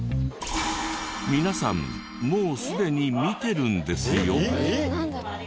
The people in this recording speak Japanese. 皆さんもうすでに見てるんですよ？